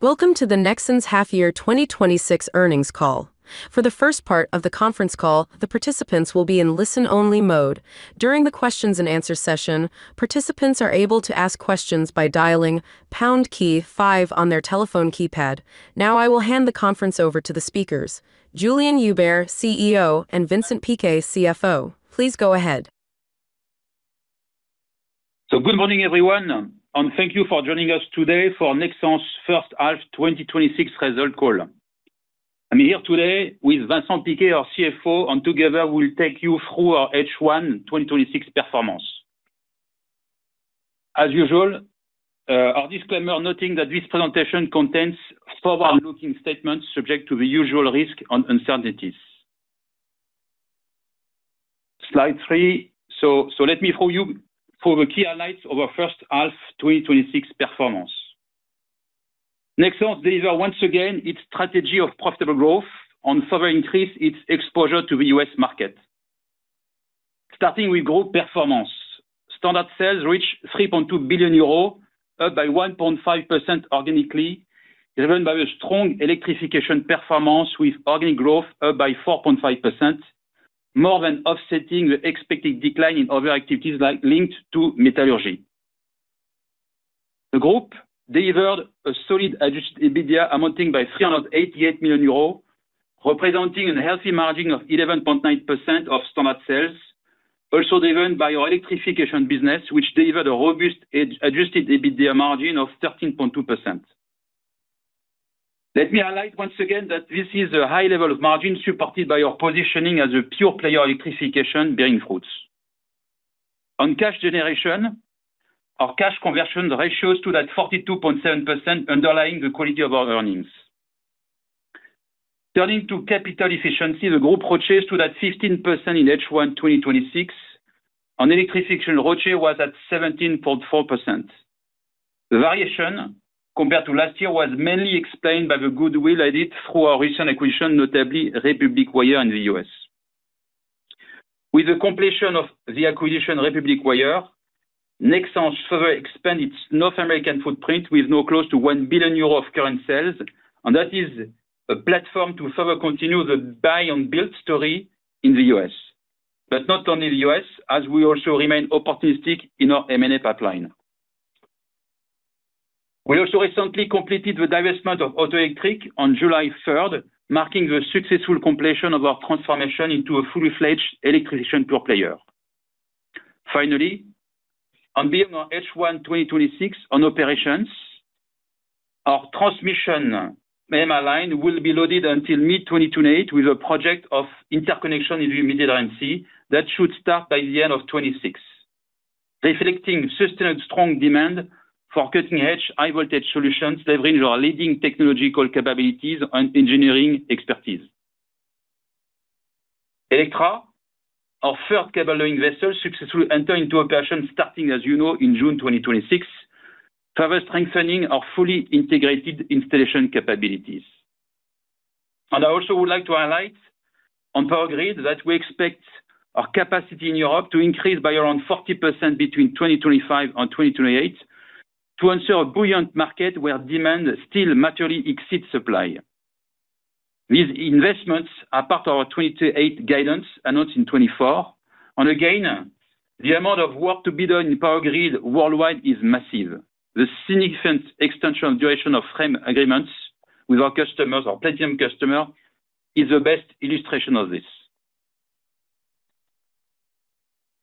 Welcome to the Nexans' Half Year 2026 earnings call. For the first part of the conference call, the participants will be in listen-only mode. During the questions and answer session, participants are able to ask questions by dialing pound key five on their telephone keypad. I will hand the conference over to the speakers, Julien Hueber, CEO, and Vincent Piquet, CFO. Please go ahead. Good morning everyone, thank you for joining us today for Nexans' H1 2026 result call. I'm here today with Vincent Piquet, our CFO, and together we'll take you through our H1 2026 performance. As usual, our disclaimer noting that this presentation contains forward-looking statements subject to the usual risk and uncertainties. Slide three. Let me show you the key highlights of our H1 2026 performance. Nexans delivers once again its strategy of profitable growth and further increase its exposure to the U.S. market. Starting with group performance. Standard sales reach 3.2 billion euros, up by 1.5% organically, driven by a strong electrification performance with organic growth up by 4.5%, more than offsetting the expected decline in other activities linked to metallurgy. The group delivered a solid adjusted EBITDA amounting by 388 million euros, representing a healthy margin of 11.9% of standard sales. Also driven by our electrification business, which delivered a robust adjusted EBITDA margin of 13.2%. Let me highlight once again that this is a high level of margin supported by our positioning as a pure player electrification bearing fruits. On cash generation, our cash conversion ratios stood at 42.7%, underlying the quality of our earnings. Turning to capital efficiency, the group ratio stood at 15% in H1 2026, and electrification ratio was at 17.4%. The variation compared to last year was mainly explained by the goodwill added through our recent acquisition, notably Republic Wire in the U.S. With the completion of the acquisition, Republic Wire, Nexans further expand its North American footprint with now close to 1 billion euro of current sales, that is a platform to further continue the buy and build story in the U.S. Not only the U.S., as we also remain opportunistic in our M&A pipeline. We also recently completed the divestment of Autoelectric on July 3rd, marking the successful completion of our transformation into a fully fledged electrification pure player. Finally, on being our H1 2026 on operations, our transmission MI line will be loaded until mid-2028 with a project of interconnection in the Mediterranean Sea that should start by the end of 2026, reflecting sustained strong demand for cutting-edge high voltage solutions leveraging our leading technological capabilities and engineering expertise. Electra, our third cable-laying vessel, successfully enter into operation starting, as you know, in June 2026, further strengthening our fully integrated installation capabilities. I also would like to highlight on PWR-Grid that we expect our capacity in Europe to increase by around 40% between 2025 and 2028 to ensure a buoyant market where demand still materially exceeds supply. These investments are part of our 2028 guidance announced in 2024, and again, the amount of work to be done in PWR-Grid worldwide is massive. The significant extension and duration of frame agreements with our customers, our platinum customer, is the best illustration of this.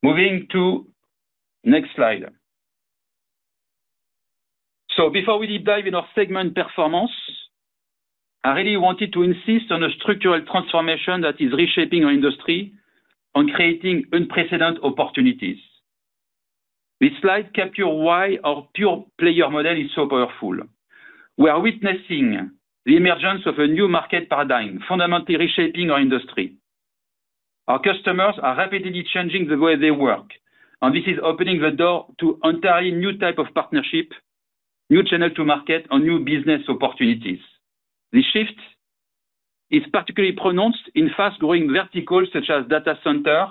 Moving to next slide. Before we deep dive in our segment performance, I really wanted to insist on a structural transformation that is reshaping our industry and creating unprecedented opportunities. This slide capture why our pure player model is so powerful. We are witnessing the emergence of a new market paradigm, fundamentally reshaping our industry. Our customers are rapidly changing the way they work. This is opening the door to entirely new type of partnership, new channel to market, and new business opportunities. The shift is particularly pronounced in fast-growing verticals such as data center,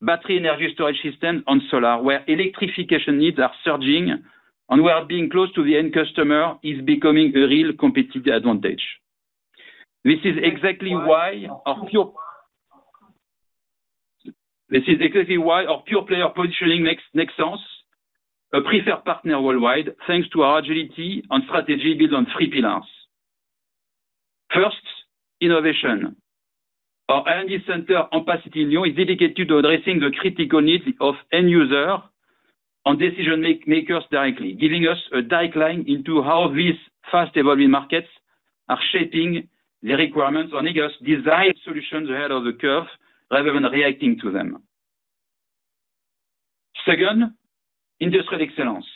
battery energy storage system, and solar, where electrification needs are surging, and where being close to the end customer is becoming a real competitive advantage. This is exactly why our pure player positioning makes Nexans a preferred partner worldwide, thanks to our agility and strategy built on three pillars. First, innovation. Our R&D center on Passy, Lyon, is dedicated to addressing the critical needs of end user and decision makers directly, giving us a direct line into how these fast evolving markets are shaping the requirements and giving us desired solutions ahead of the curve rather than reacting to them. Second, industrial excellence.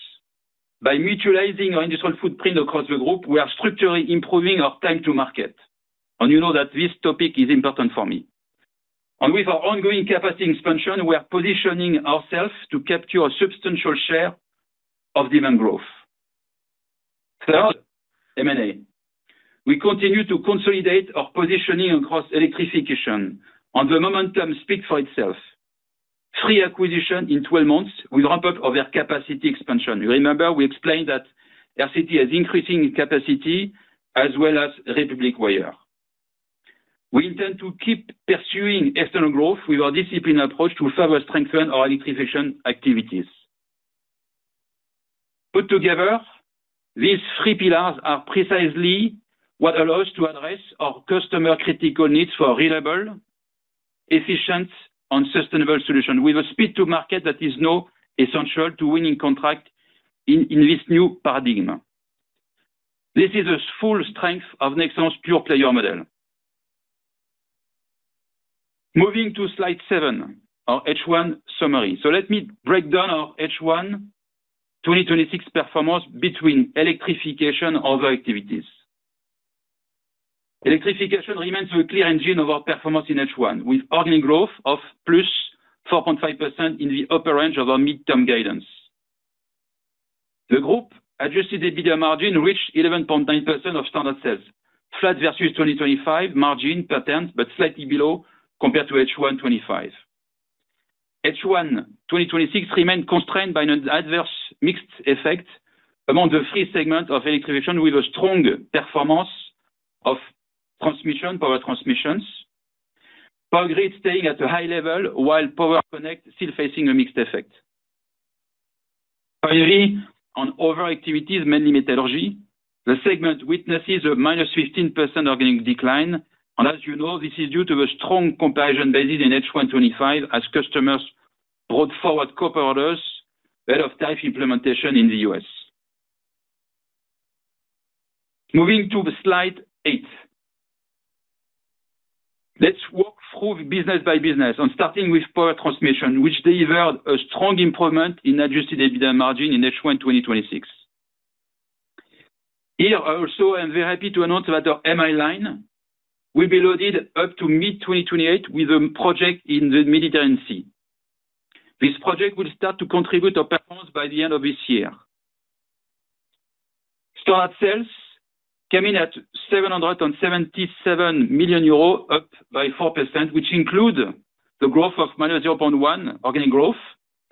By mutualizing our industrial footprint across the group, we are structurally improving our time to market. You know that this topic is important for me. With our ongoing capacity expansion, we are positioning ourselves to capture a substantial share of demand growth. Third, M&A. We continue to consolidate our positioning across electrification, the momentum speaks for itself. Three acquisition in 12 months with ramp-up of their capacity expansion. You remember we explained that RCT is increasing capacity as well as Republic Wire. We intend to keep pursuing external growth with our discipline approach to further strengthen our electrification activities. Put together, these three pillars are precisely what allow us to address our customer critical needs for reliable, efficient, and sustainable solution with a speed to market that is now essential to winning contract in this new paradigm. This is a full strength of Nexans pure player model. Moving to slide seven, our H1 summary. Let me break down our H1 2026 performance between electrification other activities. Electrification remains a clear engine of our performance in H1, with organic growth of +4.5% in the upper range of our midterm guidance. The group adjusted EBITDA margin reached 11.9% of standard sales, flat versus 2025 margin pattern, but slightly below compared to H1 2025. H1 2026 remained constrained by an adverse mixed effect among the three segment of electrification, with a strong performance of PWR-Transmission. PWR-Grid staying at a high level while PWR-Connect still facing a mixed effect. Finally, on other activities, mainly Metallurgy, the segment witnesses a -15% organic decline. As you know, this is due to a strong comparison basis in H1 2025 as customers brought forward copper orders ahead of type implementation in the U.S. Moving to the slide eight. Let's walk through business by business, starting with PWR-Transmission, which delivered a strong improvement in adjusted EBITDA margin in H1 2026. Here also, I am very happy to announce that our MI line will be loaded up to mid-2028 with a project in the Mediterranean Sea. This project will start to contribute to performance by the end of this year. Standard sales came in at 777 million euros, up by 4%, which include the growth of -0.1% organic growth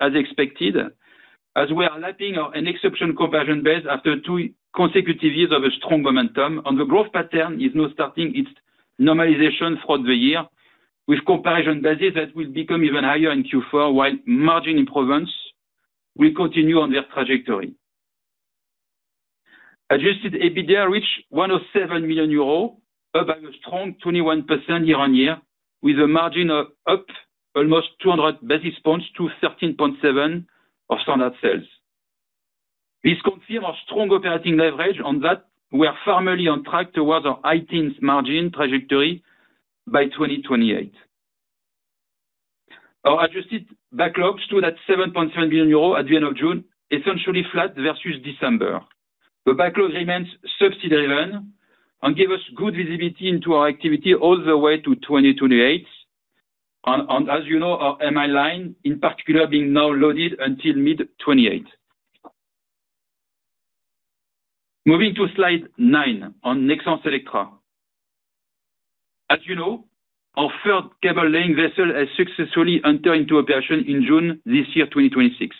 as expected, as we are lapping an exception comparison base after two consecutive years of a strong momentum. The growth pattern is now starting its normalization throughout the year with comparison basis that will become even higher in Q4, while margin improvements will continue on their trajectory. Adjusted EBITDA reached 107 million euros, up by a strong 21% year-on-year with a margin of up almost 200 basis points to 13.7% of standard sales. This confirm our strong operating leverage and that we are firmly on track towards our high teens margin trajectory by 2028. Our adjusted backlogs stood at 7.7 billion euros at the end of June, essentially flat versus December. The backlog remains subsidy-driven and give us good visibility into our activity all the way to 2028. As you know, our MI line in particular being now loaded until mid-2028. Moving to slide nine on Nexans Electra. As you know, our third cable laying vessel has successfully entered into operation in June this year, 2026.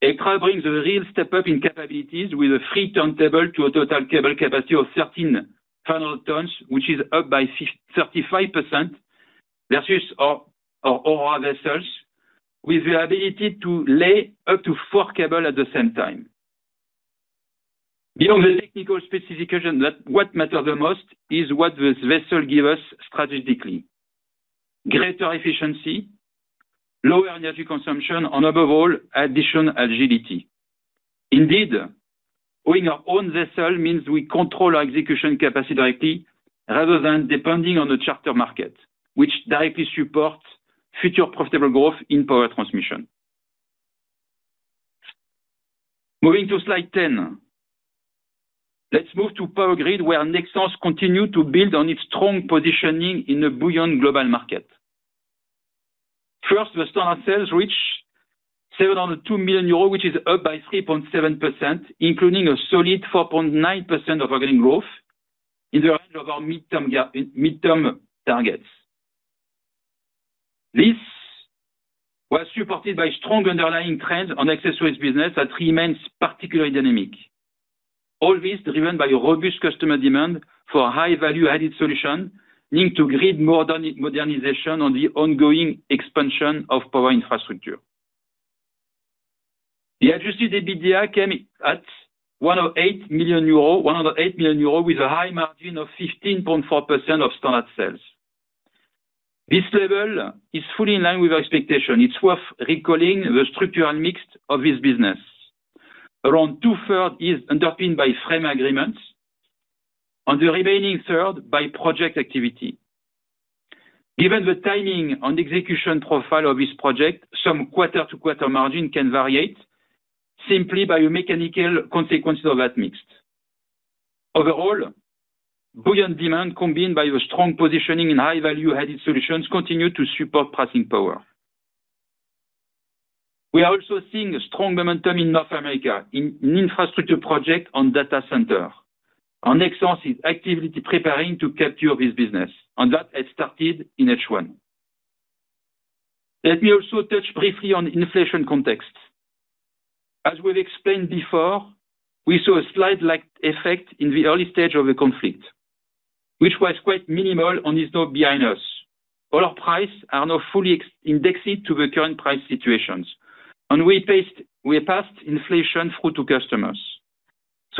Electra brings a real step up in capabilities with a 3-ton table to a total cable capacity of 13 tonal tons, which is up by 35% versus our other vessels with the ability to lay up to four cable at the same time. Beyond the technical specification, what matter the most is what this vessel give us strategically. Greater efficiency, lower energy consumption, and above all, additional agility. Indeed, owning our own vessel means we control our execution capacity directly rather than depending on the charter market, which directly supports future profitable growth in PWR-Transmission. Moving to slide 10. Let's move to PWR-Grid, where Nexans continue to build on its strong positioning in the buoyant global market. First, the standard sales reach 702 million euros, which is up by 3.7%, including a solid 4.9% of organic growth in the range of our midterm targets. This was supported by strong underlying trends and accessories business that remains particularly dynamic. All this driven by robust customer demand for high value-added solution linked to grid modernization and the ongoing expansion of power infrastructure. The adjusted EBITDA came at 108 million euros with a high margin of 15.4% of standard sales. This level is fully in line with our expectation. It's worth recalling the structural mix of this business. Around two-third is underpinned by frame agreements. The remaining third, by project activity. Given the timing and execution profile of this project, some quarter-to-quarter margin can variate simply by a mechanical consequences of that mix. Overall, buoyant demand combined by a strong positioning in high value-added solutions continue to support passing power. We are also seeing strong momentum in North America in infrastructure project and data center. Our Nexans is actively preparing to capture this business, and that has started in H1. Let me also touch briefly on inflation context. As we've explained before, we saw a slight lag effect in the early stage of the conflict, which was quite minimal and is now behind us. All our price are now fully indexed to the current price situations, and we passed inflation through to customers.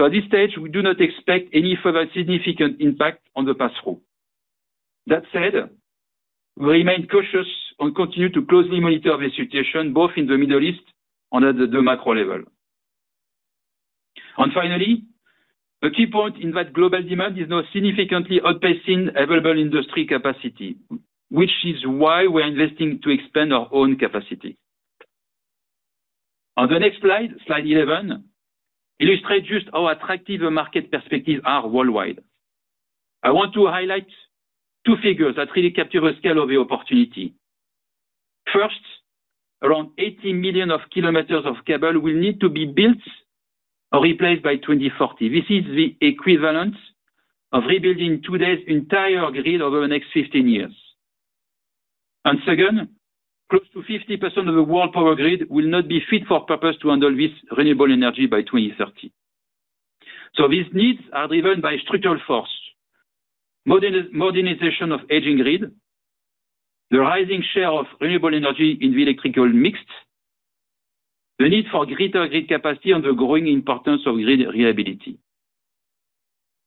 At this stage, we do not expect any further significant impact on the pass-through. That said, we remain cautious and continue to closely monitor the situation both in the Middle East and at the macro level. Finally, the key point in that global demand is now significantly outpacing available industry capacity, which is why we're investing to expand our own capacity. On the next slide 11, illustrates just how attractive the market perspective are worldwide. I want to highlight two figures that really capture the scale of the opportunity. First, around 80 million of kilometers of cable will need to be built or replaced by 2040. This is the equivalent of rebuilding today's entire grid over the next 15 years. Second, close to 50% of the world power grid will not be fit for purpose to handle this renewable energy by 2030. These needs are driven by structural force. Modernization of aging grid, the rising share of renewable energy in the electrical mix, the need for greater grid capacity, and the growing importance of grid reliability.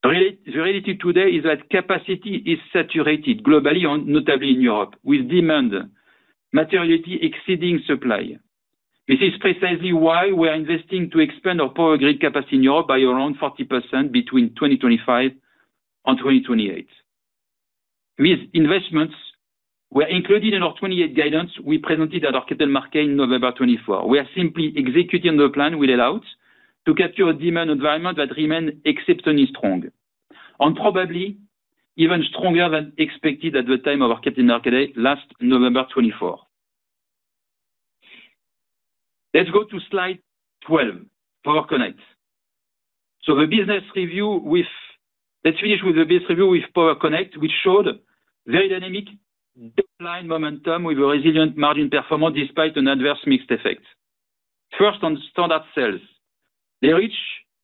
The reality today is that capacity is saturated globally and notably in Europe, with demand materially exceeding supply. This is precisely why we are investing to expand our power grid capacity in Europe by around 40% between 2025 and 2028. These investments were included in our 2028 guidance we presented at our Capital Market in November 2024. We are simply executing on the plan we laid out to capture a demand environment that remain exceptionally strong and probably even stronger than expected at the time of our Capital Market Day last November 2024. Let's go to slide 12, PWR-Connect. Let's finish with the business review with PWR-Connect, which showed very dynamic underlying momentum with a resilient margin performance despite an adverse mixed effect. First, on standard sales. They reach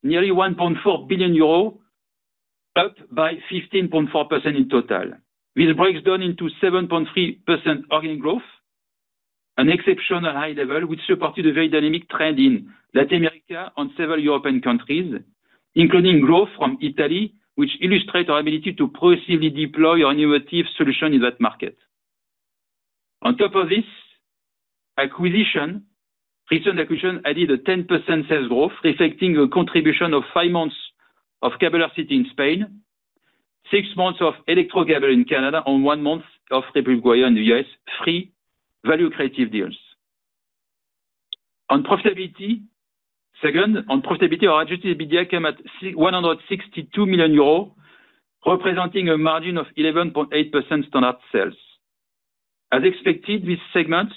nearly 1.4 billion euros, up by 15.4% in total. This breaks down into 7.3% organic growth, an exceptional high level which supported a very dynamic trend in Latin America and several European countries, including growth from Italy, which illustrate our ability to progressively deploy our innovative solution in that market. On top of this acquisition, recent acquisition added a 10% sales growth, reflecting a contribution of five months of Cables RCT in Spain, six months of Electro Cables in Canada, and one month of Republic Wire in the U.S., three value creative deals. Second, on profitability, our adjusted EBITDA came at 162 million euros, representing a margin of 11.8% standard sales. As expected, this segment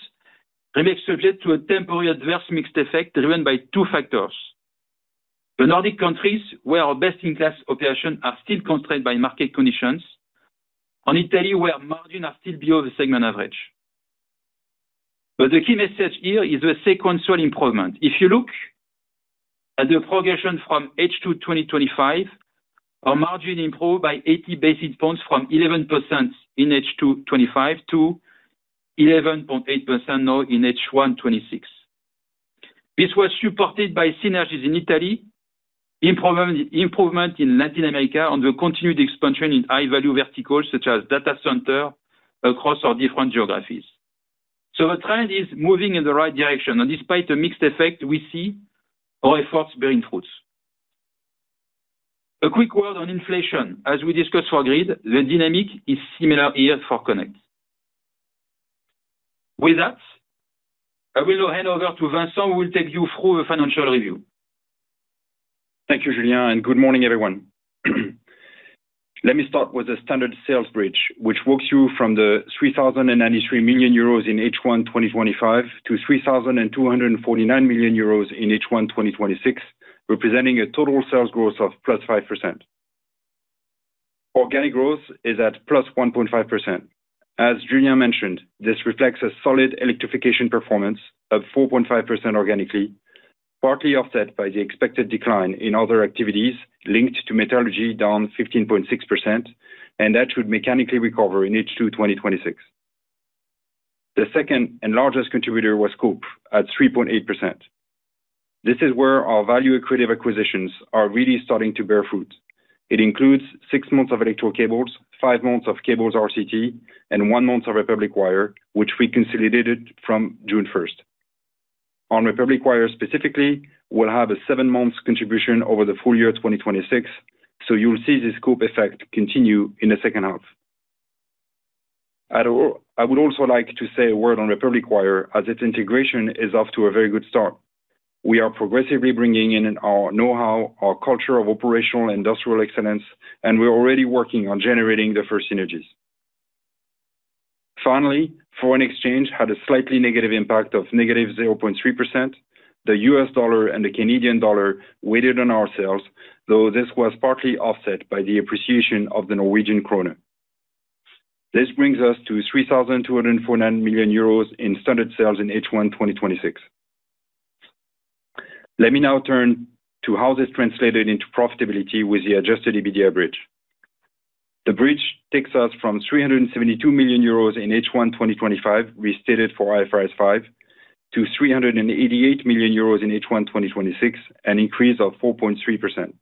remains subject to a temporary adverse mixed effect driven by two factors. The Nordic countries, where our best-in-class operation are still constrained by market conditions, and Italy, where margin are still below the segment average. The key message here is the sequential improvement. If you look at the progression from H2 2025, our margin improved by 80 basis points from 11% in H2 2025 to 11.8% now in H1 2026. This was supported by synergies in Italy, improvement in Latin America, and the continued expansion in high-value verticals such as data center across our different geographies. The trend is moving in the right direction, and despite the mixed effect, we see our efforts bearing fruits. A quick word on inflation. As we discussed for grid, the dynamic is similar here for Connect. With that, I will now hand over to Vincent, who will take you through the financial review. Thank you, Julien, and good morning, everyone. Let me start with the standard sales bridge, which walks you from the 3,093 million euros in H1 2025 to 3,249 million euros in H1 2026, representing a total sales growth of +5%. Organic growth is at +1.5%. As Julien mentioned, this reflects a solid electrification performance of 4.5% organically, partly offset by the expected decline in other activities linked to metallurgy, down 15.6%, and that should mechanically recover in H2 2026. The second and largest contributor was scope at 3.8%. This is where our value accretive acquisitions are really starting to bear fruit. It includes six months of Electro Cables, five months of Cables RCT, and one month of Republic Wire, which we consolidated from June 1st. On Republic Wire specifically, we will have a seven-month contribution over the full-year 2026, so you will see this scope effect continue in the H2. I would also like to say a word on Republic Wire as its integration is off to a very good start. We are progressively bringing in our know-how, our culture of operational industrial excellence, and we are already working on generating the first synergies. Finally, foreign exchange had a slightly negative impact of -0.3%. The US dollar and the Canadian dollar weighted on our sales, though this was partly offset by the appreciation of the Norwegian krone. This brings us to 3,249 million euros in standard sales in H1 2026. Let me now turn to how this translated into profitability with the adjusted EBITDA bridge. The bridge takes us from 372 million euros in H1 2025, restated for IFRS 5, to 388 million euros in H1 2026, an increase of 4.3%.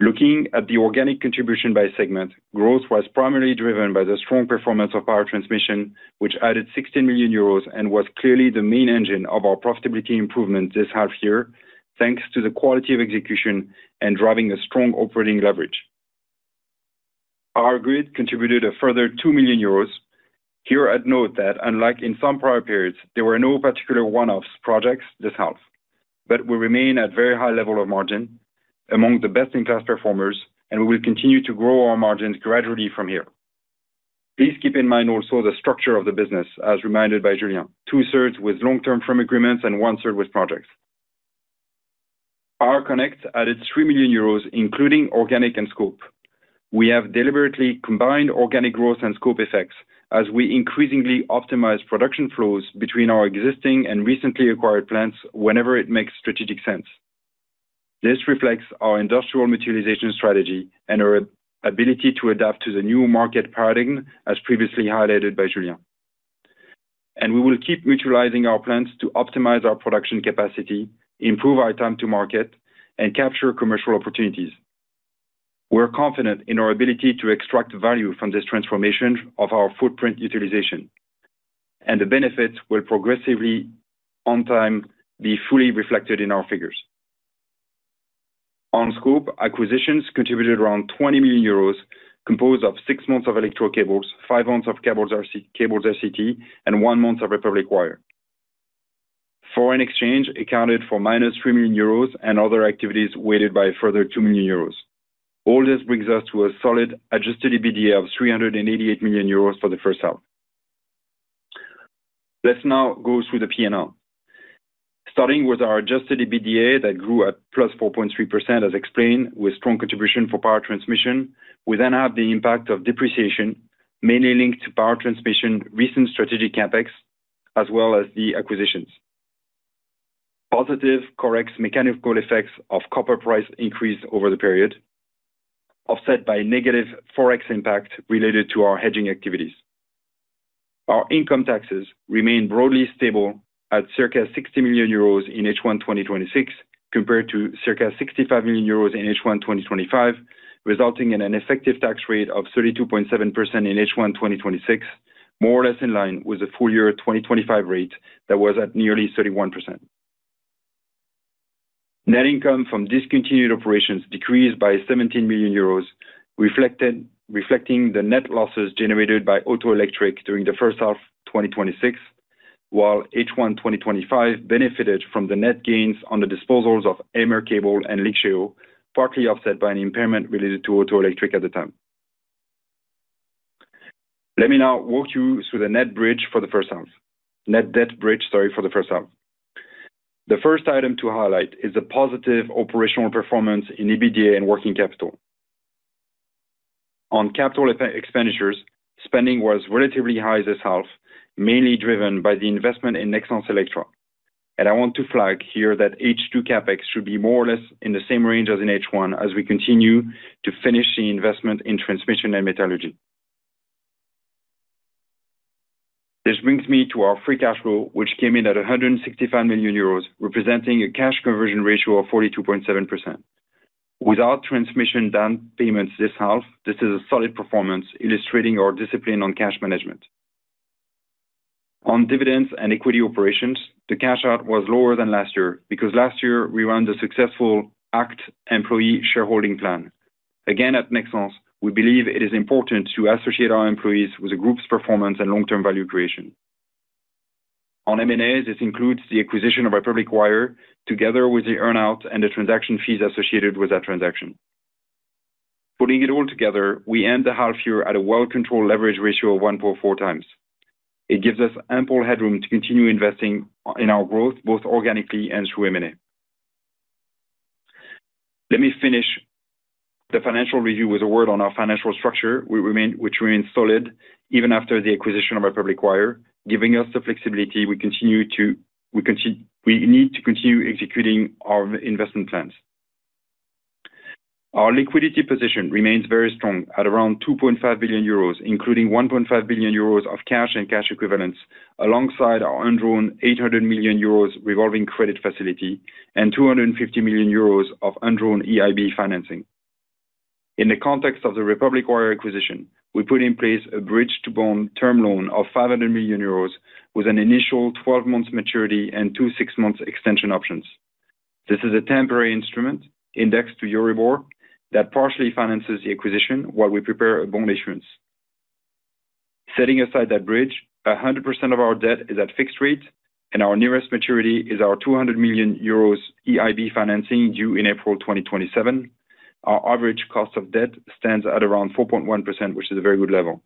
Looking at the organic contribution by segment, growth was primarily driven by the strong performance of power transmission, which added 16 million euros and was clearly the main engine of our profitability improvement this half year, thanks to the quality of execution and driving a strong operating leverage. Power grid contributed a further 2 million euros. Here I would note that unlike in some prior periods, there were no particular one-offs projects this half. But we remain at very high level of margin, among the best-in-class performers, and we will continue to grow our margins gradually from here. Please keep in mind also the structure of the business, as reminded by Julien. Two-thirds with long-term firm agreements and one-third with projects. PWR-Connect added 3 million euros, including organic and scope. We have deliberately combined organic growth and scope effects as we increasingly optimize production flows between our existing and recently acquired plants whenever it makes strategic sense. This reflects our industrial mutualization strategy and our ability to adapt to the new market paradigm, as previously highlighted by Julien. We will keep mutualizing our plans to optimize our production capacity, improve our time to market, and capture commercial opportunities. We are confident in our ability to extract value from this transformation of our footprint utilization, and the benefits will progressively, on time, be fully reflected in our figures. On scope, acquisitions contributed around 20 million euros, composed of six months of Electro Cables, five months of Cables RCT, and one month of Republic Wire. Foreign exchange accounted for -3 million euros and other activities weighted by a further 2 million euros. All this brings us to a solid adjusted EBITDA of 388 million euros for the H1. Let's now go through the P&L. Starting with our adjusted EBITDA that grew at +4.3%, as explained, with strong contribution for PWR-Transmission. We then have the impact of depreciation, mainly linked to PWR-Transmission recent strategic CapEx, as well as the acquisitions. Positive Corex mechanical effects of copper price increase over the period, offset by negative Forex impact related to our hedging activities. Our income taxes remain broadly stable at circa 60 million euros in H1 2026 compared to circa 65 million euros in H1 2025, resulting in an effective tax rate of 32.7% in H1 2026, more or less in line with the full-year 2025 rate that was at nearly 31%. Net income from discontinued operations decreased by 17 million euros, reflecting the net losses generated by Autoelectric during the H1 2026, while H1 2025 benefited from the net gains on the disposals of AmerCable and Lynxeo, partly offset by an impairment related to Autoelectric at the time. Let me now walk you through the net debt bridge for the H1. The first item to highlight is the positive operational performance in EBITDA and working capital. On capital expenditures, spending was relatively high this half, mainly driven by the investment in Nexans Electra. I want to flag here that H2 CapEx should be more or less in the same range as in H1 as we continue to finish the investment in transmission and metallurgy. This brings me to our free cash flow, which came in at 165 million euros, representing a cash conversion ratio of 42.7%. With our transmission down payments this half, this is a solid performance illustrating our discipline on cash management. On dividends and equity operations, the cash out was lower than last year because last year we ran the successful Act employee shareholding plan. At Nexans, we believe it is important to associate our employees with the group's performance and long-term value creation. On M&A, this includes the acquisition of Republic Wire together with the earn-out and the transaction fees associated with that transaction. Putting it all together, we end the half year at a well-controlled leverage ratio of 1.4x. It gives us ample headroom to continue investing in our growth, both organically and through M&A. Let me finish the financial review with a word on our financial structure, which remains solid even after the acquisition of Republic Wire, giving us the flexibility we need to continue executing our investment plans. Our liquidity position remains very strong at around 2.5 billion euros, including 1.5 billion euros of cash and cash equivalents, alongside our undrawn 800 million euros revolving credit facility and 250 million euros of undrawn EIB financing. In the context of the Republic Wire acquisition, we put in place a bridge to bond term loan of 500 million euros with an initial 12 months maturity and two six months extension options. This is a temporary instrument indexed to Euribor that partially finances the acquisition while we prepare a bond issuance. Setting aside that bridge, 100% of our debt is at fixed rate and our nearest maturity is our 200 million euros EIB financing due in April 2027. Our average cost of debt stands at around 4.1%, which is a very good level.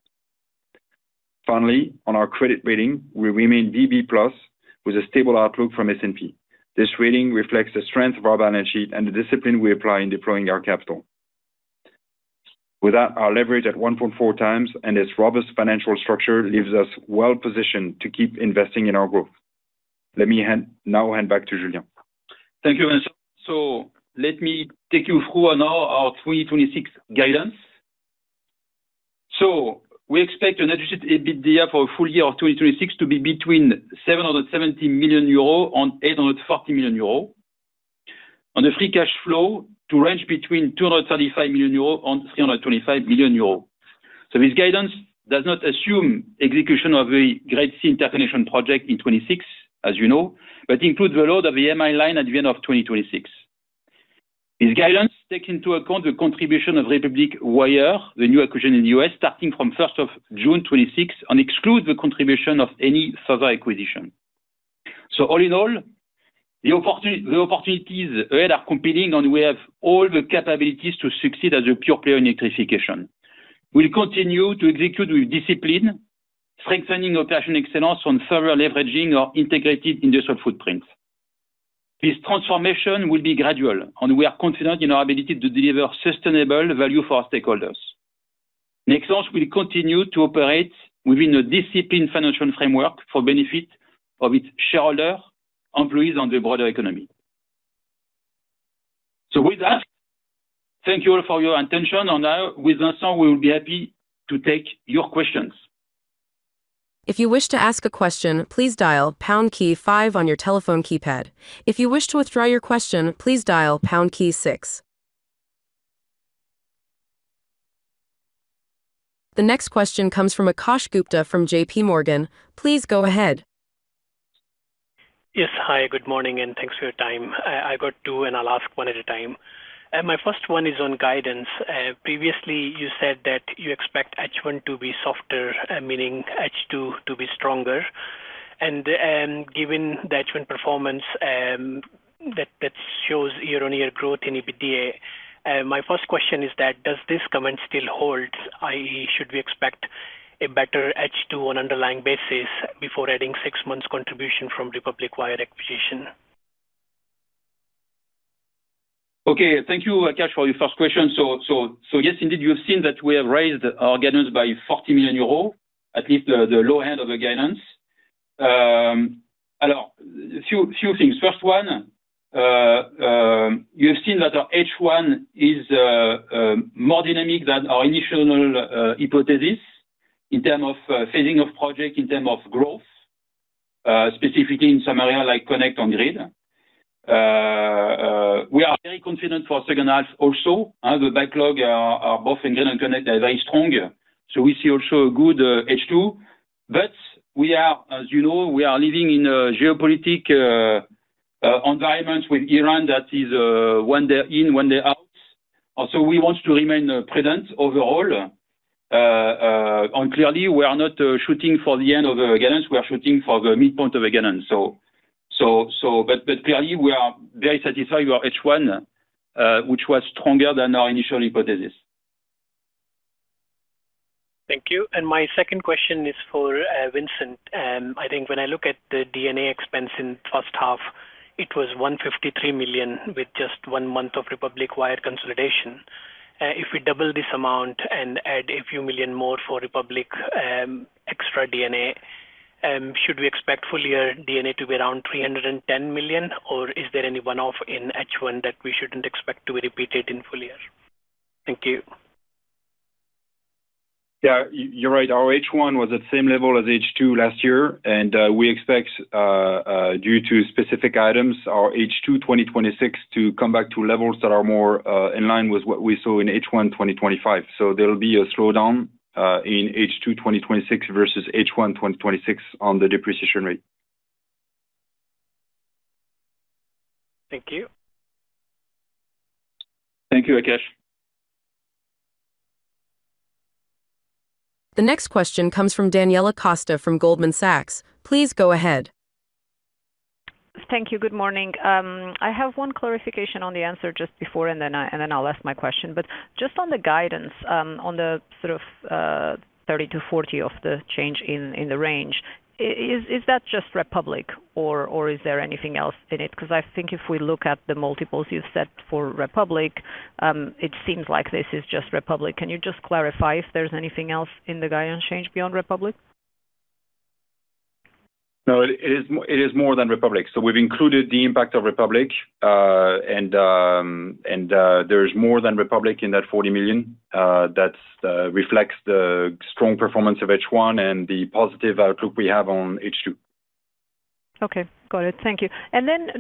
On our credit rating, we remain BB+ with a stable outlook from S&P. This rating reflects the strength of our balance sheet and the discipline we apply in deploying our capital. With that, our leverage at 1.4x and its robust financial structure leaves us well-positioned to keep investing in our growth. Let me now hand back to Julien. Thank you, Vincent. Let me take you through now our 2026 guidance. We expect an adjusted EBITDA for full-year of 2026 to be between 770 million euro and 840 million euro. On the free cash flow, to range between 235 million euro and 325 million euro. This guidance does not assume execution of the Great Sea Interconnector Project in 2026, as you know, but includes the load of the MI line at the end of 2026. This guidance takes into account the contribution of Republic Wire, the new acquisition in the U.S., starting from 1st of June 2026, and excludes the contribution of any further acquisition. All in all, the opportunities ahead are competing, and we have all the capabilities to succeed as a pure-play electrification. We will continue to execute with discipline, strengthening operation excellence on further leveraging our integrated industrial footprint. This transformation will be gradual, and we are confident in our ability to deliver sustainable value for our stakeholders. Nexans will continue to operate within a disciplined financial framework for benefit of its shareholder, employees on the broader economy. With that, thank you all for your attention. Now, with Vincent, we will be happy to take your questions. If you wish to ask a question, please dial pound key five on your telephone keypad. If you wish to withdraw your question, please dial pound key six. The next question comes from Akash Gupta from JPMorgan. Please go ahead. Yes. Hi, good morning, thanks for your time. I got two. I'll ask one at a time. My first one is on guidance. Previously, you said that you expect H1 to be softer, meaning H2 to be stronger. Given the H1 performance that shows year-on-year growth in EBITDA, my first question is that, does this comment still hold, i.e., should we expect a better H2 on underlying basis before adding six months contribution from Republic Wire acquisition? Okay. Thank you, Akash, for your first question. Yes, indeed, you have seen that we have raised our guidance by 40 million euros, at least the low end of the guidance. A few things. First one, you have seen that our H1 is more dynamic than our initial hypothesis in term of phasing of project, in term of growth, specifically in some area like Connect on Grid. We are very confident for H2 also. The backlog are both in Grid and Connect are very strong. We see also a good H2, but as you know, we are living in a geopolitical environment with Iran that is when they're in, when they're out. We want to remain prudent overall. Clearly, we are not shooting for the end of the guidance, we are shooting for the midpoint of the guidance. Clearly, we are very satisfied with H1, which was stronger than our initial hypothesis. Thank you. My second question is for Vincent. I think when I look at the D&A expense in H1, it was 153 million with just one month of Republic Wire consolidation. If we double this amount and add a few million more for Republic extra D&A, should we expect full-year D&A to be around 310 million, or is there any one-off in H1 that we shouldn't expect to be repeated in full-year? Thank you. Yeah, you're right. Our H1 was at the same level as H2 last year. We expect, due to specific items, our H2 2026 to come back to levels that are more in line with what we saw in H1 2025. There'll be a slowdown in H2 2026 versus H1 2026 on the depreciation rate. Thank you. Thank you, Akash. The next question comes from Daniela Costa from Goldman Sachs. Please go ahead. Thank you. Good morning. I have one clarification on the answer just before, then I'll ask my question. Just on the guidance, on the sort of 30 million-40 million of the change in the range, is that just Republic or is there anything else in it? I think if we look at the multiples you've set for Republic, it seems like this is just Republic. Can you just clarify if there's anything else in the guidance change beyond Republic? No, it is more than Republic. We've included the impact of Republic, there's more than Republic in that 40 million that reflects the strong performance of H1 and the positive outlook we have on H2. Okay, got it. Thank you.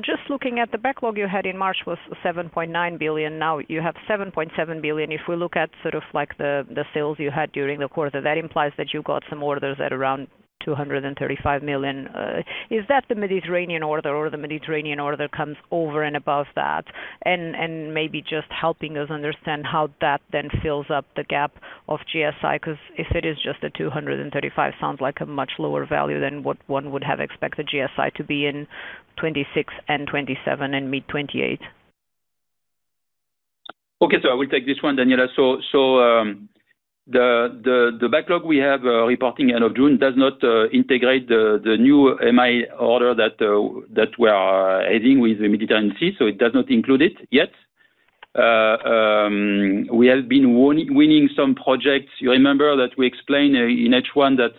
Just looking at the backlog you had in March was 7.9 billion. Now you have 7.7 billion. If we look at sort of the sales you had during the quarter, that implies that you got some orders at around 235 million. Is that the Mediterranean order or the Mediterranean order comes over and above that? Maybe just helping us understand how that then fills up the gap of GSI, if it is just the 235 million, sounds like a much lower value than what one would have expected GSI to be in 2026 and 2027 and mid-2028. Okay. I will take this one, Daniela. The backlog we have reporting end of June does not integrate the new MI order that we are adding with the Mediterranean Sea. It does not include it yet. We have been winning some projects. You remember that we explained in H1 that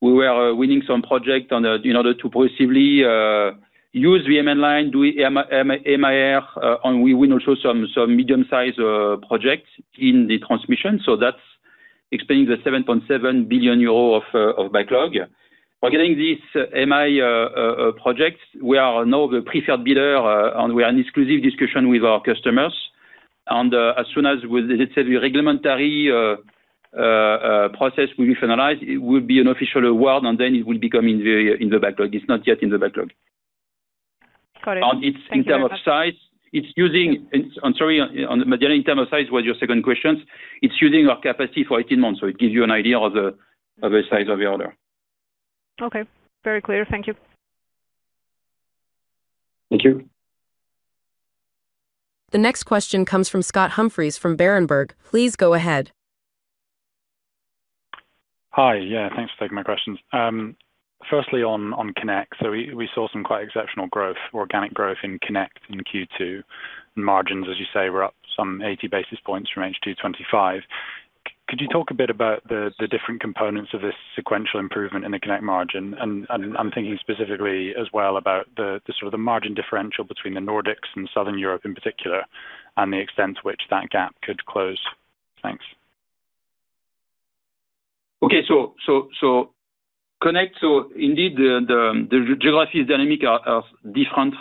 we were winning some project in order to progressively use [inaudible] line, do MI, and we win also some medium-sized projects in the transmission. That's explaining the 7.7 billion euro of backlog. By getting this MI project, we are now the preferred bidder, and we are in exclusive discussion with our customers. As soon as, let's say, the regulatory process will be finalized, it will be an official award, and then it will become in the backlog. It's not yet in the backlog. Got it. Thank you very much. In terms of size, I'm sorry, Daniela, in terms of size was your second question. It's using our capacity for 18 months, so it gives you an idea of the size of the order. Okay. Very clear. Thank you. Thank you. The next question comes from Scott Humphreys from Berenberg. Please go ahead. Hi. Yeah, thanks for taking my questions. Firstly, on Connect. We saw some quite exceptional growth, organic growth in Connect in Q2. Margins, as you say, were up some 80 basis points from H2 2025. Could you talk a bit about the different components of this sequential improvement in the Connect margin? I'm thinking specifically as well about the sort of margin differential between the Nordics and Southern Europe in particular, and the extent to which that gap could close. Thanks. Okay. Connect, indeed the geographies dynamic are different.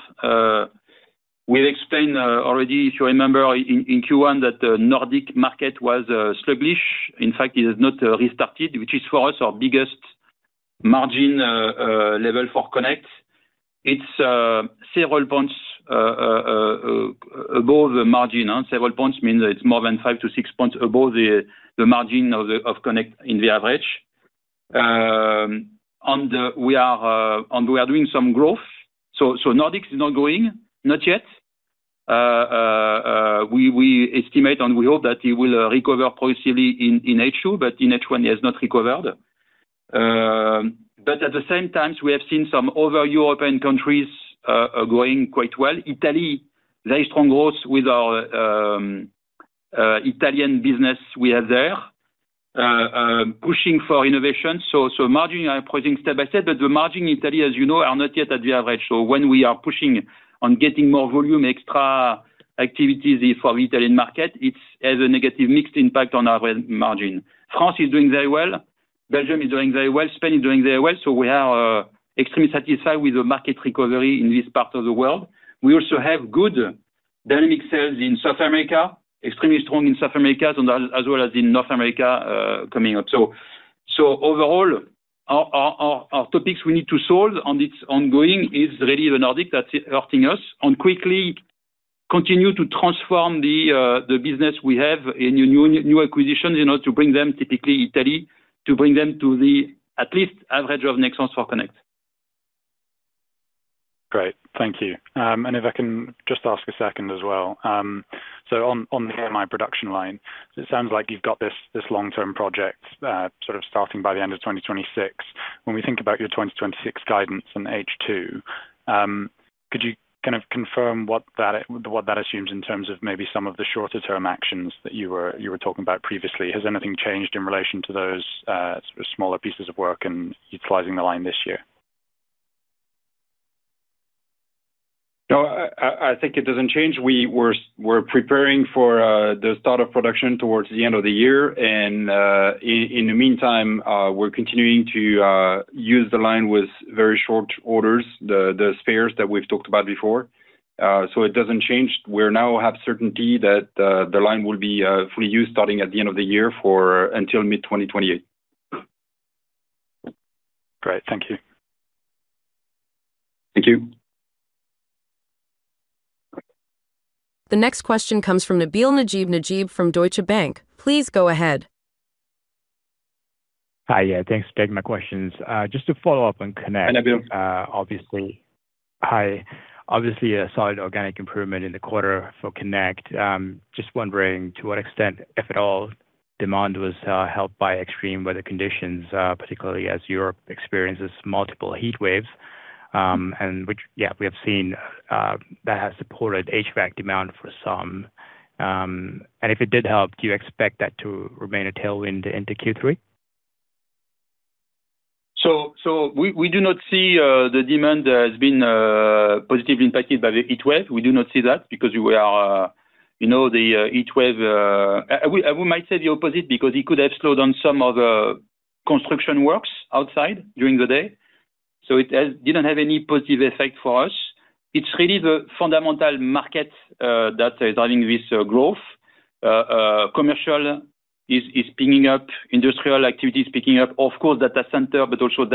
We explained already, if you remember in Q1, that the Nordic market was sluggish. In fact, it has not restarted, which is, for us, our biggest margin level for Connect. It's several points above the margin. Several points means that it's more than five to six points above the margin of Connect in the average. Nordic is not growing, not yet. We estimate, and we hope that it will recover progressively in H2, but in H1 it has not recovered. At the same time, we have seen some other European countries are growing quite well. Italy, very strong growth with our Italian business we have there, pushing for innovation. Margin improving step by step, but the margin in Italy, as you know, are not yet at the average. When we are pushing on getting more volume, extra activities for Italian market, it has a negative mixed impact on our margin. France is doing very well. Belgium is doing very well. Spain is doing very well. We are extremely satisfied with the market recovery in this part of the world. We also have good dynamic sales in South America, extremely strong in South America as well as in North America, coming out. Overall, our topics we need to solve, and it's ongoing, is really the Nordic that's hurting us, and quickly continue to transform the business we have in new acquisitions to bring them, typically Italy, to bring them to the at least average of Nexans for Connect. Great. Thank you. If I can just ask a second as well. On the MI production line, it sounds like you've got this long-term project sort of starting by the end of 2026. When we think about your 2026 guidance in H2, could you kind of confirm what that assumes in terms of maybe some of the shorter-term actions that you were talking about previously? Has anything changed in relation to those smaller pieces of work and utilizing the line this year? No, I think it doesn't change. We're preparing for the start of production towards the end of the year, and in the meantime, we're continuing to use the line with very short orders, the spares that we've talked about before. It doesn't change. We now have certainty that the line will be fully used starting at the end of the year until mid-2028. Great. Thank you. Thank you. The next question comes from Nabil Najeeb from Deutsche Bank. Please go ahead. Hi. Yeah, thanks for taking my questions. Just to follow up on Connect- Hi, Nabil. Hi. Obviously, a solid organic improvement in the quarter for Connect. Just wondering, to what extent, if at all, demand was helped by extreme weather conditions, particularly as Europe experiences multiple heat waves, which, yeah, we have seen that has supported HVAC demand for some. If it did help, do you expect that to remain a tailwind into Q3? We do not see the demand has been positively impacted by the heat wave. We do not see that because I might say the opposite because it could have slowed on some of the construction works outside during the day. It didn't have any positive effect for us. It's really the fundamental market that is driving this growth. Commercial is picking up, industrial activity is picking up. Of course, data center, but also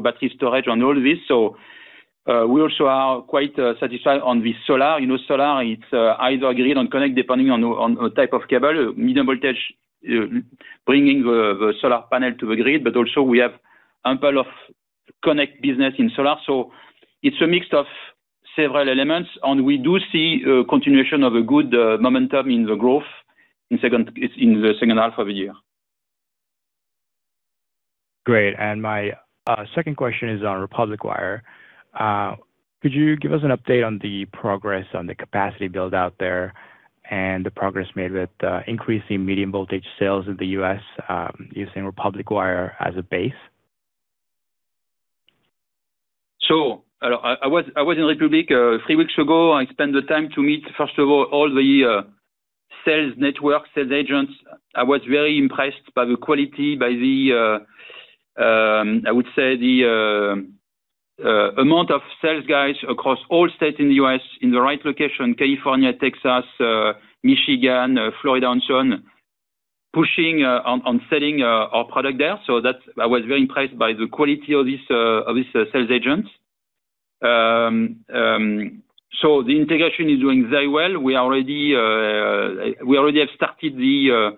battery storage and all this. We also are quite satisfied on the solar. Solar, it's either grid on Connect depending on type of cable. Medium voltage. [inaudible] Bringing the solar panel to the grid, but also we have ample of Connect business in solar. It's a mix of several elements, and we do see a continuation of a good momentum in the growth in the H2 of the year. Great. My second question is on Republic Wire. Could you give us an update on the progress on the capacity build out there and the progress made with increasing medium voltage sales in the U.S., using Republic Wire as a base? I was in Republic three weeks ago. I spent the time to meet, first of all the sales network, sales agents. I was very impressed by the quality, by, I would say, the amount of sales guys across all states in the U.S. in the right location, California, Texas, Michigan, Florida, and so on, pushing on selling our product there. I was very impressed by the quality of these sales agents. The integration is doing very well. We already have started the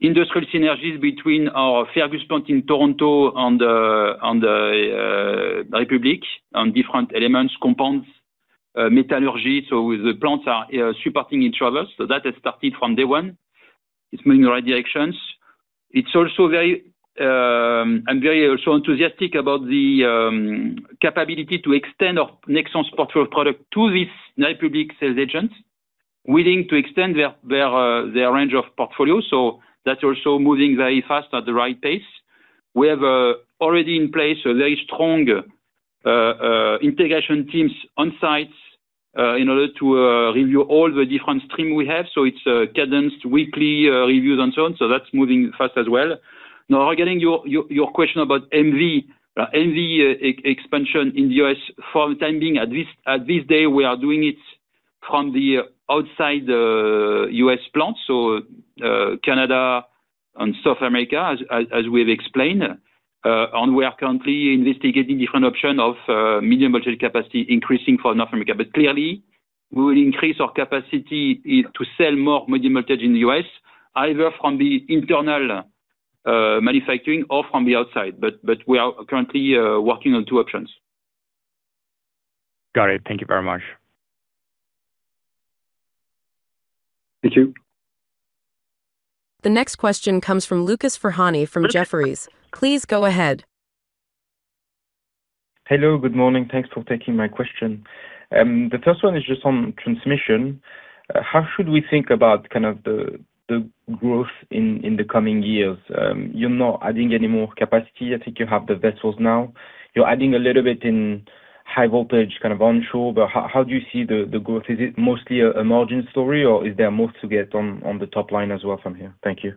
industrial synergies between our Fergus plant in Ontario and Republic Wire on different elements, compounds, metallurgy. The plants are supporting each other. That has started from day one. It's moving in the right directions. I'm very also enthusiastic about the capability to extend our Nexans portfolio product to these Republic Wire sales agents, willing to extend their range of portfolio. That's also moving very fast at the right pace. We have already in place a very strong integration teams on sites in order to review all the different stream we have. It's a cadenced weekly reviews and so on. That's moving fast as well. Regarding your question about MV. MV expansion in the U.S., for the time being, at this day, we are doing it from the outside the U.S. plant, so Canada and South America, as we have explained. We are currently investigating different option of medium voltage capacity increasing for North America. Clearly, we will increase our capacity to sell more medium voltage in the U.S., either from the internal manufacturing or from the outside. We are currently working on two options. Got it. Thank you very much. Thank you. The next question comes from Lucas Ferhani from Jefferies. Please go ahead. Hello. Good morning. Thanks for taking my question. The first one is just on transmission. How should we think about kind of the growth in the coming years? You're not adding any more capacity. I think you have the vessels now. You're adding a little bit in high voltage, kind of onshore. How do you see the growth? Is it mostly a margin story, or is there more to get on the top line as well from here? Thank you.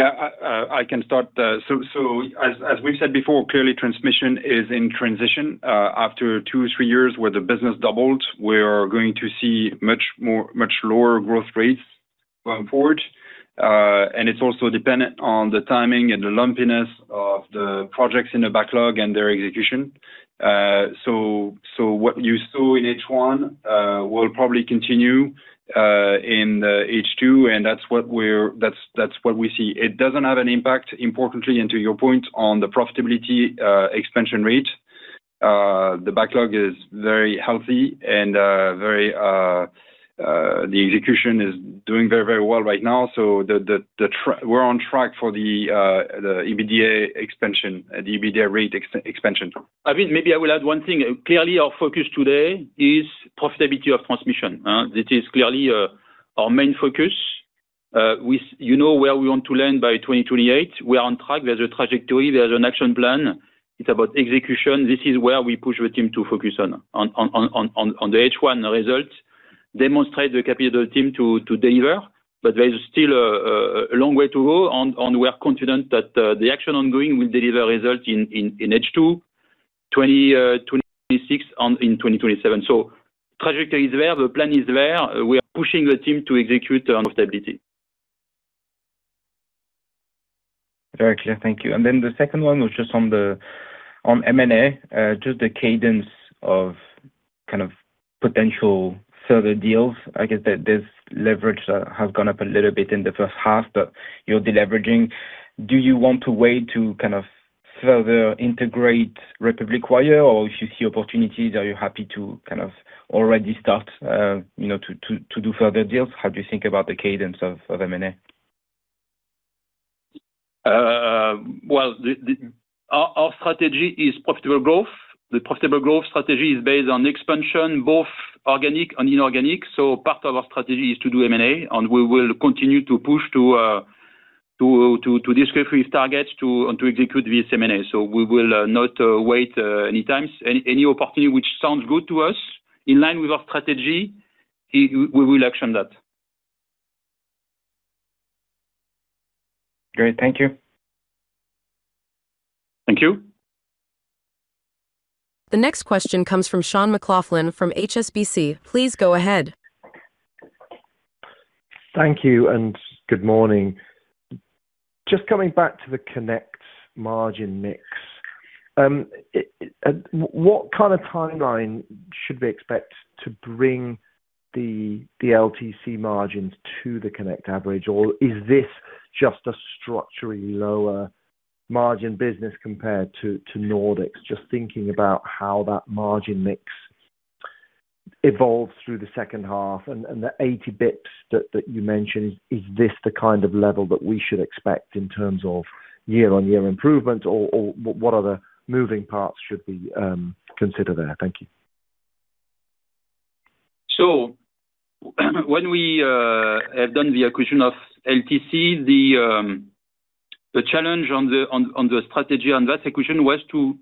I can start. As we've said before, clearly transmission is in transition. After two, three years where the business doubled, we are going to see much lower growth rates going forward. It's also dependent on the timing and the lumpiness of the projects in the backlog and their execution. What you saw in H1 will probably continue in H2, and that's what we see. It doesn't have an impact, importantly, and to your point on the profitability expansion rate. The backlog is very healthy, and the execution is doing very well right now. We're on track for the EBITDA expansion, the EBITDA rate expansion. I think maybe I will add one thing. Clearly, our focus today is profitability of transmission. This is clearly our main focus. You know where we want to land by 2028. We are on track. There's a trajectory. There's an action plan. It's about execution. This is where we push the team to focus on the H1 results, demonstrate the capability of the team to deliver. There's still a long way to go, and we are confident that the action ongoing will deliver results in H2 2026 and in 2027. Trajectory is there, the plan is there. We are pushing the team to execute on profitability. Very clear. Thank you. The second one was just on M&A, just the cadence of kind of potential further deals. I get that this leverage has gone up a little bit in the H1, but you're deleveraging. Do you want to wait to kind of further integrate Republic Wire? If you see opportunities, are you happy to kind of already start to do further deals? How do you think about the cadence of M&A? Our strategy is profitable growth. The profitable growth strategy is based on expansion, both organic and inorganic. Part of our strategy is to do M&A, and we will continue to push to discuss with targets and to execute via M&A. We will not wait any times. Any opportunity which sounds good to us, in line with our strategy, we will action that. Great. Thank you. Thank you. The next question comes from Sean McLoughlin from HSBC. Please go ahead. Thank you. Good morning. Just coming back to the Connect margin mix. What kind of timeline should we expect to bring the LTC margins to the Connect average? Is this just a structurally lower margin business compared to Nordics? Just thinking about how that margin mix evolves through the H2 and the 80 basis points that you mentioned, is this the kind of level that we should expect in terms of year-on-year improvement? What other moving parts should we consider there? Thank you. When we have done the acquisition of LTC, the challenge on the strategy on that acquisition was to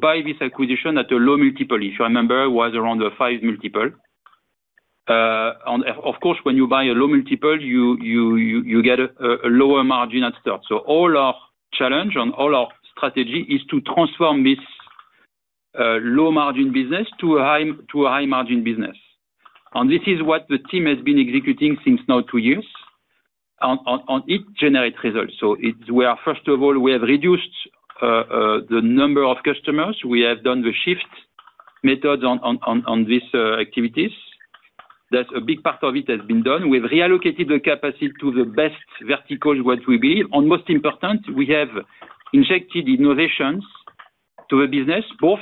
buy this acquisition at a low multiple. If you remember, it was around the five multiple. Of course, when you buy a low multiple, you get a lower margin at start. All our challenge and all our strategy is to transform this low-margin business to a high-margin business. This is what the team has been executing since now two years, and it generates results. First of all, we have reduced the number of customers. We have done the sift method on these activities. A big part of it has been done. We've reallocated the capacity to the best vertical what we build. Most important, we have injected innovations to a business, both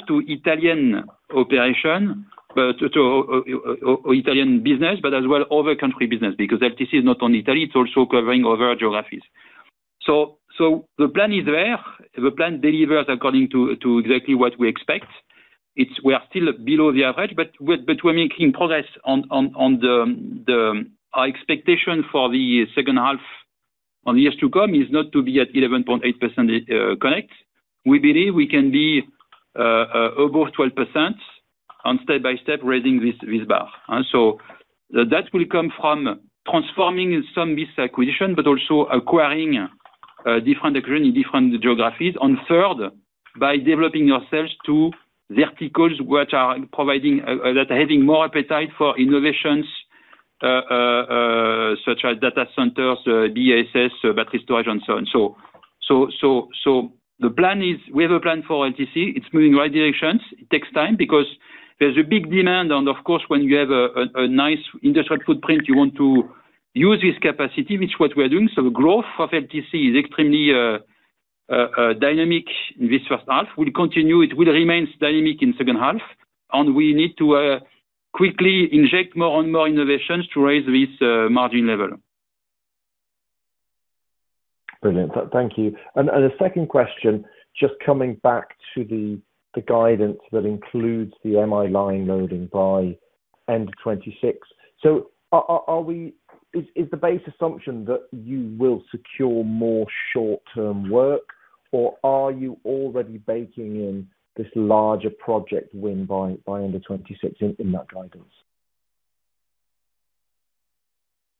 to Italian business, but as well other country business, because LTC is not only Italy, it's also covering other geographies. The plan is there. The plan delivers according to exactly what we expect. We are still below the average, but we're making progress on our expectation for the H2 on the years to come is not to be at 11.8% PWR-Connect. We believe we can be above 12% and step by step raising this bar. That will come from transforming some of this acquisition, but also acquiring different geographies. Third, by developing ourselves to verticals that are having more appetite for innovations such as data centers, BESS, battery storage, and so on. The plan is, we have a plan for LTC. It's moving right directions. It takes time because there's a big demand and of course, when you have a nice industrial footprint, you want to use this capacity, which is what we are doing. The growth of LTC is extremely dynamic in this H1. We'll continue. It will remain dynamic in H2, and we need to quickly inject more and more innovations to raise this margin level. Brilliant. Thank you. A second question, just coming back to the guidance that includes the MI line loading by end of 2026. Is the base assumption that you will secure more short-term work, or are you already baking in this larger project win by end of 2026 in that guidance?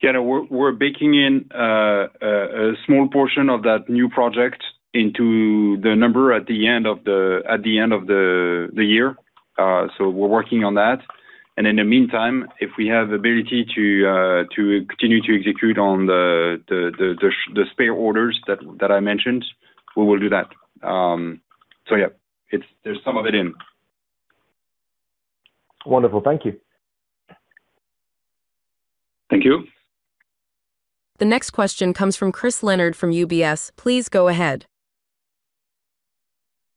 Yeah, we're baking in a small portion of that new project into the number at the end of the year. We're working on that. In the meantime, if we have ability to continue to execute on the spare orders that I mentioned, we will do that. Yeah, there's some of it in. Wonderful. Thank you. Thank you. The next question comes from Chris Leonard from UBS. Please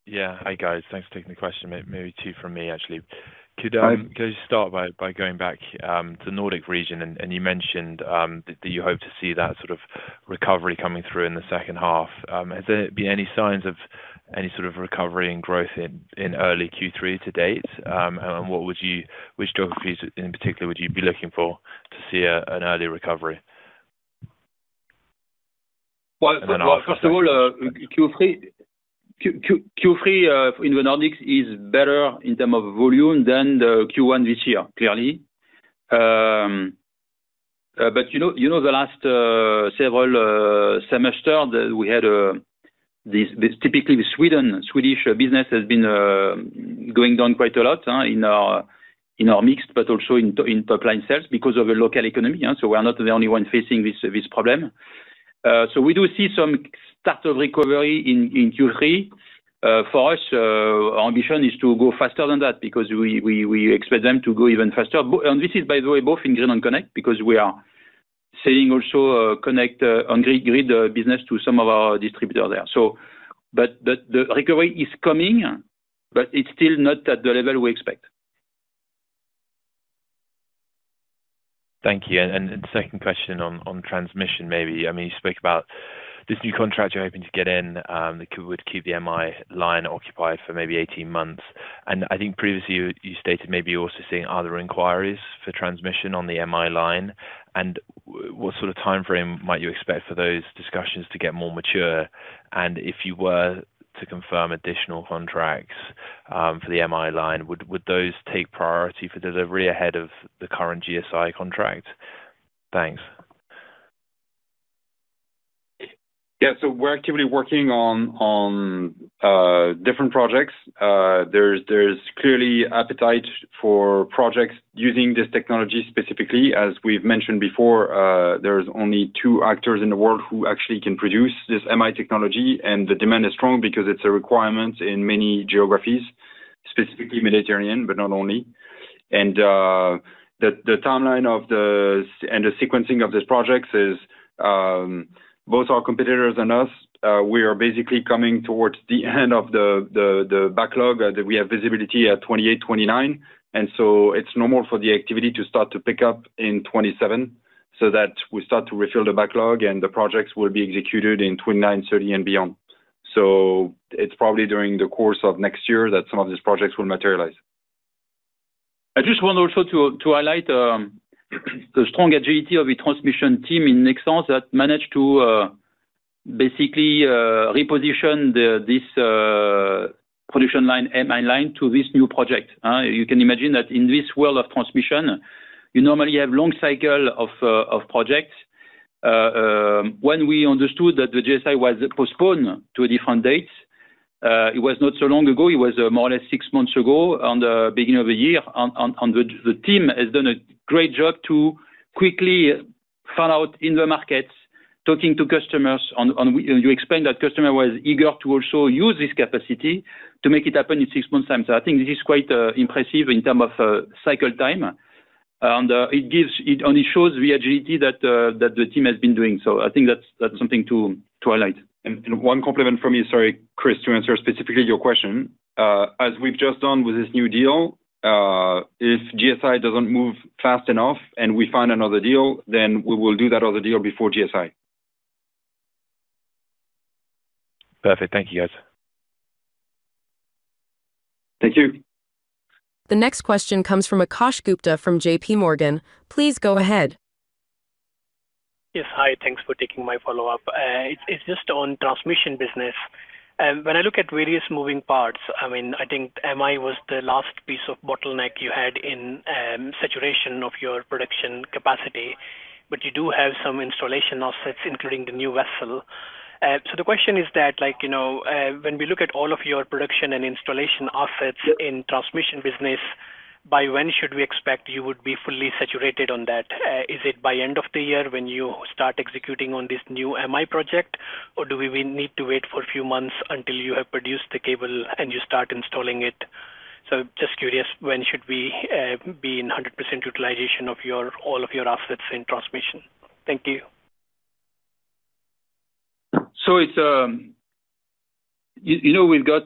go ahead. Yeah. Hi, guys. Thanks for taking the question. Maybe two from me, actually. Hi. Could I start by going back to Nordic region? You mentioned that you hope to see that sort of recovery coming through in the H2. Has there been any signs of any sort of recovery and growth in early Q3 to date? Which geographies in particular would you be looking for to see an early recovery? Well, first of all, Q3 in the Nordics is better in term of volume than the Q1 this year, clearly. You know the last several semester, we had this typically the Sweden, Swedish business has been going down quite a lot in our mix but also in pipeline sales because of a local economy. We are not the only one facing this problem. We do see some start of recovery in Q3. For us, our ambition is to go faster than that because we expect them to go even faster. This is, by the way, both in Green and Connect, because we are selling also Connect on grid business to some of our distributor there. The recovery is coming, but it is still not at the level we expect. Thank you. Second question on transmission, maybe. You spoke about this new contract you are hoping to get in that would keep the MI line occupied for maybe 18 months. I think previously you stated maybe you are also seeing other inquiries for transmission on the MI line. What sort of timeframe might you expect for those discussions to get more mature? If you were to confirm additional contracts for the MI line, would those take priority for delivery ahead of the current GSI contract? Thanks. Yeah, we're actively working on different projects. There's clearly appetite for projects using this technology specifically. As we've mentioned before, there's only two actors in the world who actually can produce this MI technology, and the demand is strong because it's a requirement in many geographies. Specifically Mediterranean, but not only. The timeline and the sequencing of these projects is both our competitors and us, we are basically coming towards the end of the backlog that we have visibility at 2028, 2029. It's normal for the activity to start to pick up in 2027, so that we start to refill the backlog and the projects will be executed in 2029, 2030 and beyond. It's probably during the course of next year that some of these projects will materialize. I just want also to highlight the strong agility of the transmission team in Nexans that managed to basically reposition this production MI line to this new project. You can imagine that in this world of transmission, you normally have long cycle of projects. When we understood that the GSI was postponed to a different date, it was not so long ago, it was more or less six months ago, on the beginning of the year. The team has done a great job to quickly fan out in the markets, talking to customers, and you explained that customer was eager to also use this capacity to make it happen in six months' time. I think this is quite impressive in terms of cycle time. It only shows the agility that the team has been doing. I think that's something to highlight. One compliment from me, sorry, Chris, to answer specifically your question. As we've just done with this new deal, if GSI doesn't move fast enough and we find another deal, we will do that other deal before GSI. Perfect. Thank you, guys. Thank you. The next question comes from Akash Gupta from JPMorgan. Please go ahead. Yes. Hi, thanks for taking my follow-up. It's just on transmission business. The question is that, when we look at all of your production and installation assets in transmission business, by when should we expect you would be fully saturated on that? Is it by end of the year when you start executing on this new MI project? Or do we need to wait for a few months until you have produced the cable and you start installing it? Just curious, when should we be in 100% utilization of all of your assets in transmission? Thank you. We've got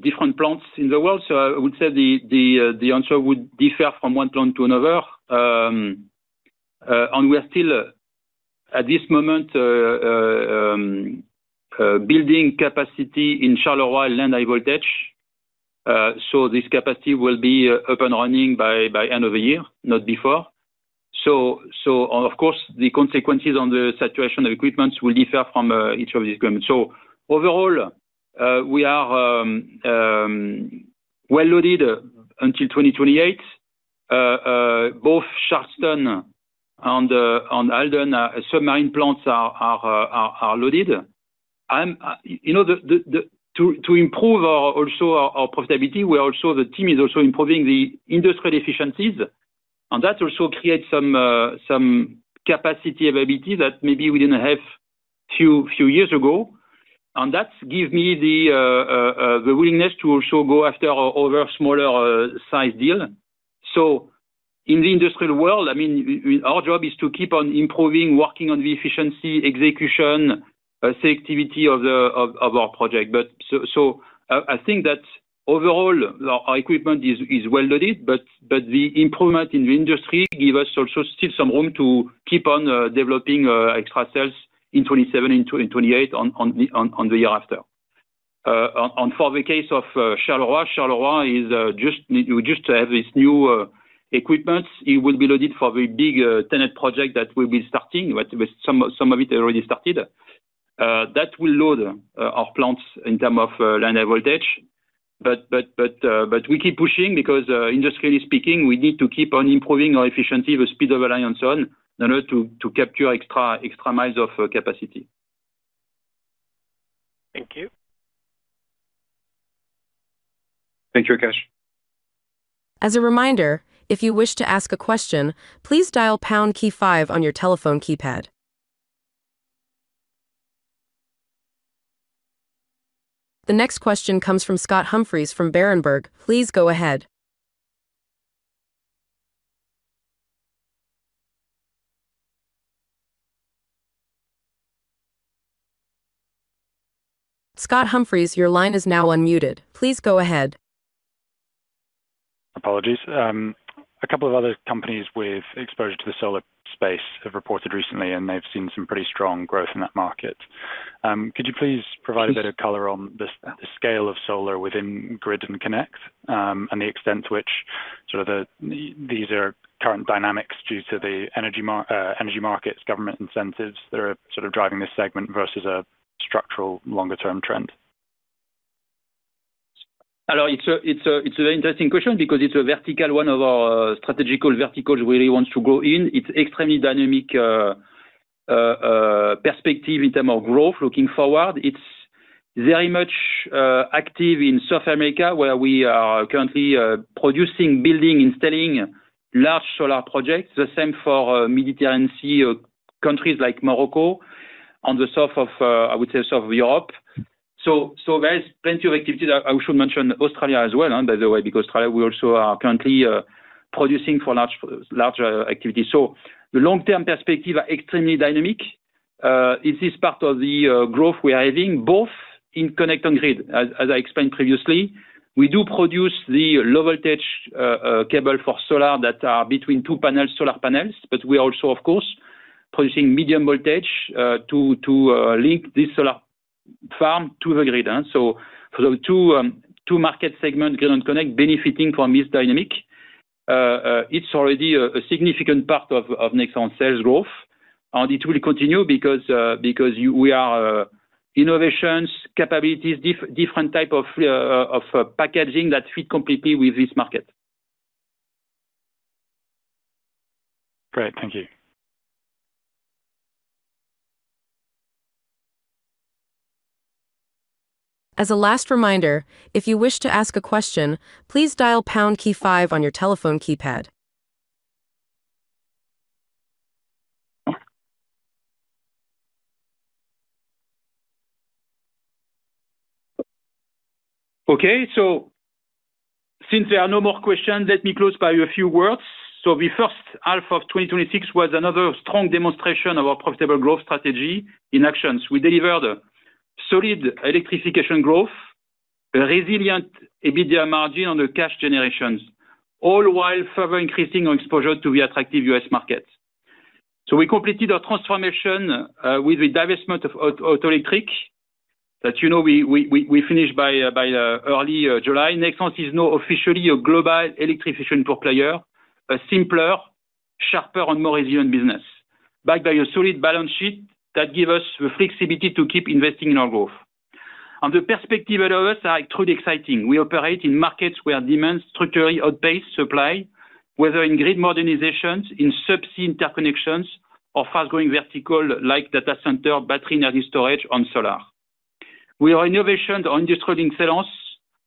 different plants in the world, I would say the answer would differ from one plant to another. We are still, at this moment, building capacity in Charleroi land high voltage. This capacity will be up and running by end of the year, not before. Of course, the consequences on the saturation equipments will differ from each of these equipments. Overall, we are well loaded until 2028. Both Charleston and Halden submarine plants are loaded. To improve also our profitability, the team is also improving the industrial efficiencies, and that also creates some capacity availability that maybe we didn't have few years ago. That give me the willingness to also go after other smaller size deal. In the industrial world, our job is to keep on improving, working on the efficiency, execution, selectivity of our project. I think that overall, our equipment is well loaded, but the improvement in the industry give us also still some room to keep on developing extra sales in 2027 and 2028 and the year after. For the case of Charleroi is just to have this new equipment. It will be loaded for the big TenneT project that will be starting. Some of it already started. That will load our plants in term of land high voltage. We keep pushing because, industrially speaking, we need to keep on improving our efficiency with speed of reliance on in order to capture extra miles of capacity. Thank you. Thank you, Akash. As a reminder, if you wish to ask a question, please dial pound key five on your telephone keypad. The next question comes from Scott Humphreys from Berenberg. Please go ahead. Scott Humphreys, your line is now unmuted. Please go ahead. Apologies. A couple of other companies with exposure to the solar space have reported recently. They've seen some pretty strong growth in that market. Could you please provide a bit of color on the scale of solar within Grid and Connect, and the extent to which sort of these are current dynamics due to the energy markets, government incentives that are sort of driving this segment versus a structural longer term trend? It's a very interesting question because it's a vertical, one of our strategic verticals we really want to go in. It's extremely dynamic perspective in terms of growth looking forward. It's very much active in South America where we are currently producing, building, installing large solar projects. The same for Mediterranean Sea countries like Morocco. On the south of, I would say, south of Europe. There is plenty of activity that I should mention Australia as well, by the way, because Australia, we also are currently producing for larger activities. The long-term perspectives are extremely dynamic. This is part of the growth we are having, both in Connect and Grid, as I explained previously. We do produce the low voltage cable for solar that are between two solar panels. We're also, of course, producing medium voltage to link this solar farm to the grid. For the two market segments, Grid and Connect, benefiting from this dynamic, it's already a significant part of Nexans sales growth. It will continue because we have innovations, capabilities, different types of packaging that fit completely with this market. Great. Thank you. As a last reminder, if you wish to ask a question, please dial pound key five on your telephone keypad. Since there are no more questions, let me close by a few words. The H1 of 2026 was another strong demonstration of our profitable growth strategy in actions. We delivered solid electrification growth, a resilient EBITDA margin on the cash generations, all while further increasing our exposure to the attractive U.S. market. We completed our transformation with the divestment of Autoelectric that you know we finished by early July. Nexans is now officially a global electrification core player, a simpler, sharper, and more resilient business, backed by a solid balance sheet that give us the flexibility to keep investing in our growth. The perspective ahead of us are truly exciting. We operate in markets where demand structurally outpace supply, whether in grid modernizations, in subsea interconnections, or fast-growing vertical like data center, Battery Energy Storage, and solar. With our innovations, our industry-leading sales,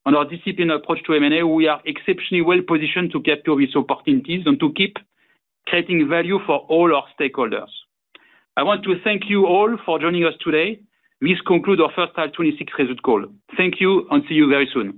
and our disciplined approach to M&A, we are exceptionally well positioned to capture these opportunities and to keep creating value for all our stakeholders. I want to thank you all for joining us today. This concludes our H1 2026 result call. Thank you, and see you very soon.